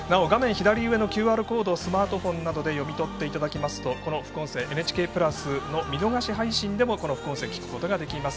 左上のＱＲコードをスマートフォンなどで読み取っていただきますとこの副音声、ＮＨＫプラスの見逃し配信でも聞くことができます。